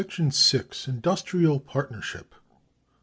Industrial Partnership.